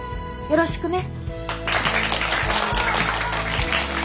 よろしくね。